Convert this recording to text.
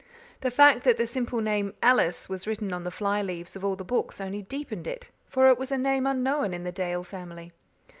The fact that the simple name "Alice" was written on the fly leaves of all the books only deepened it, for it was a name unknown in the Dale family.